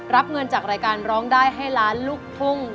รับเงินจากรายการร้องได้ให้ล้านลูกทุ่ง